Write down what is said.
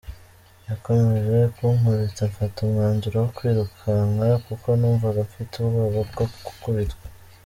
Yakomeje kunkubita mfata umwanzuro wo kwirukanka kuko numvaga mfite ubwoba bwo gukubitwa.